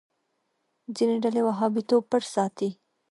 ځینې ډلې وهابيتوب پټ وساتي.